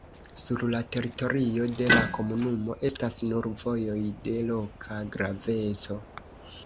Sur la teritorio de la komunumo estas nur vojoj de loka graveco.